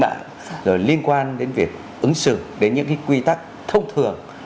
mạng liên quan đến việc ứng xử đến những cái quy tắc thông thường